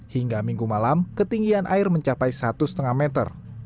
hingga minggu malam ketinggian air mencapai satu lima meter